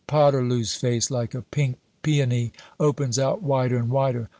Poterloo's face, like a pink peony, opens out wider and wider.